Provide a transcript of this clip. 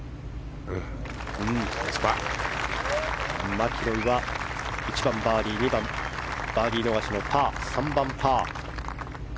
マキロイは１番バーディー２番、バーディー逃しのパー３番、パー。